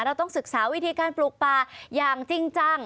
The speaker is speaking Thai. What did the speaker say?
เราต้องศึกษาวิธีการปลูกป่าอย่างจริงจัง